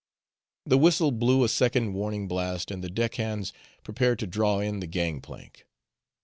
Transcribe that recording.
The whistle blew a second warning blast, and the deck hands prepared to draw in the gang plank.